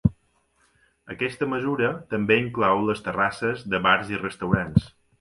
Aquesta mesura també inclou les terrasses de bars i restaurants.